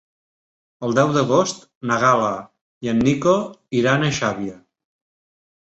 El deu d'agost na Gal·la i en Nico iran a Xàbia.